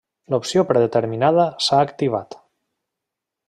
L'opció predeterminada s'ha activat.